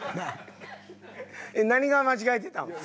えっ何が間違えてたん？